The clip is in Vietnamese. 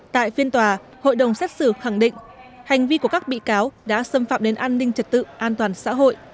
tại phiên tòa hội đồng xét xử khẳng định hành vi của các bị cáo đã xâm phạm đến an ninh trật tự an toàn xã hội